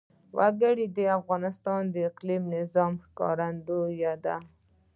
وګړي د افغانستان د اقلیمي نظام ښکارندوی ده.